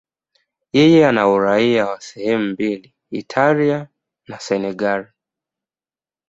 Yeye ana uraia wa sehemu mbili, Italia na Senegal.